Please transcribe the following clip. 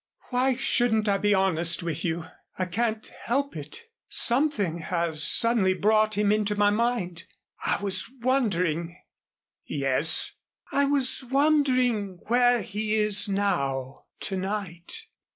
"Why shouldn't I be honest with you? I can't help it. Something has suddenly brought him into my mind. I was wondering " "Yes." "I was wondering where he is now to night.